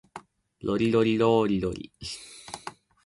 ロリロリローリロリ